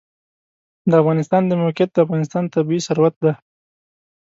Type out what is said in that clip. د افغانستان د موقعیت د افغانستان طبعي ثروت دی.